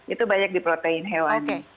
itu banyak di protein hewan